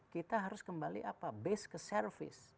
kita harus kembali apa based ke service